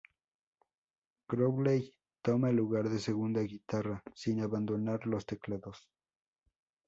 Crowley toma el lugar de segunda guitarra sin abandonar los teclados.